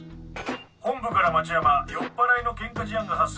本部から町山酔っぱらいのケンカ事案が発生。